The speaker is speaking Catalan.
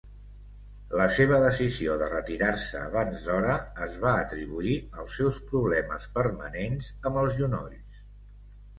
La seva decisió de retirar-se abans d'hora es va atribuir als seus problemes permanents amb els genolls.